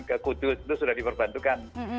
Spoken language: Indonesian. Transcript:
ke kudus itu sudah diperbantukan